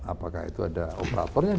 apakah itu ada operatornya